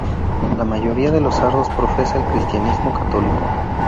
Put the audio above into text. La mayoría de los sardos profesa el cristianismo católico.